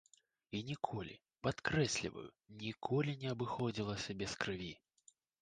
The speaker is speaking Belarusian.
І ніколі, падкрэсліваю, ніколі не абыходзіліся без крыві.